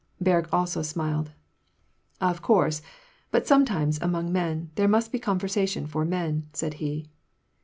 Berg also smiled. " Of course ; but sometimes, among men, there must be con versation for men," said he.